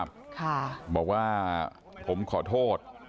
บอกว่าผมขอโทษ